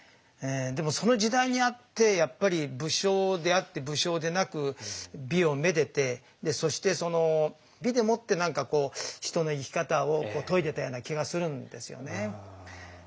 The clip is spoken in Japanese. でもその時代にあってやっぱり武将であって武将でなく美をめでてそして美でもって何かこう人の生き方を説いてたような気がするんですよね。